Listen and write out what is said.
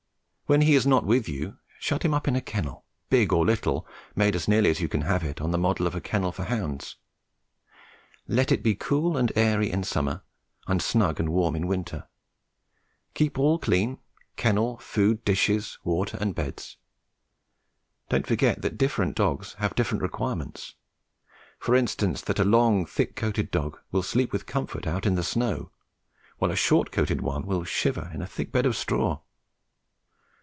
When he is not with you, shut him up in a kennel, big or little, made as nearly as you can have it on the model of a kennel for hounds. Let it be cool and airy in summer and snug and warm in winter; keep all clean kennel, food, dishes, water and beds. Don't forget that different dogs have different requirements; for instance, that a long thick coated dog will sleep with comfort out in the snow, while a short coated one will shiver in a thick bed of straw.